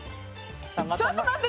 ちょっと待って。